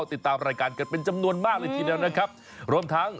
ที่ในตอนนี้ไหน